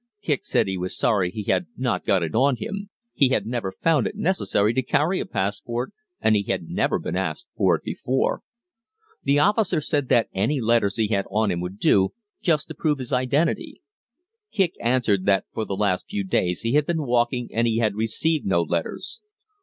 Kicq said he was sorry he had not got it on him; he had never found it necessary to carry a passport, and he had never been asked for it before. The officer said that any letters he had on him would do, just to prove his identity. Kicq answered that for the last few days he had been walking and he had received no letters.